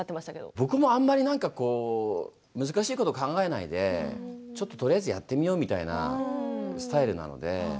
僕も、あんまりなんか難しいことは考えないでちょっととりあえずやってみようみたいなスタイルなので。